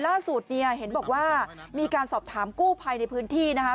ล่าสุดเนี่ยเห็นบอกว่ามีการสอบถามกู้ภัยในพื้นที่นะคะ